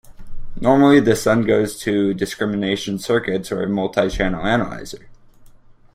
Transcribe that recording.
Normally this then goes to discrimination circuits or a multi channel analyzer.